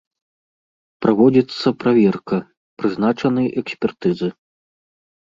Праводзіцца праверка, прызначаны экспертызы.